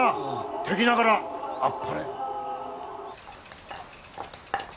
敵ながらあっぱれ。